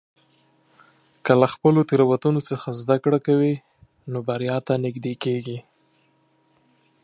که له خپلو تېروتنو څخه زده کړه کوې، نو بریا ته نږدې کېږې.